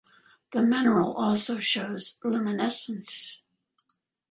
The mineral also shows luminescence.